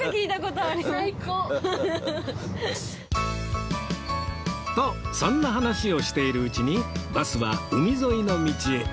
とそんな話をしているうちにバスは海沿いの道へ